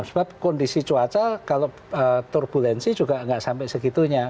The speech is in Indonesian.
sebab kondisi cuaca kalau turbulensi juga nggak sampai segitunya